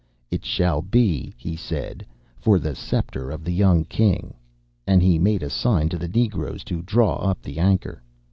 'It shall be,' he said, 'for the sceptre of the young King,' and he made a sign to the negroes to draw up the anchor.